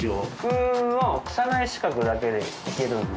うーんまあ社内資格だけでいけるんで。